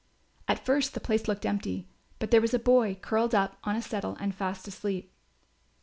At first the place looked empty; but there was a boy curled up on a settle and fast asleep.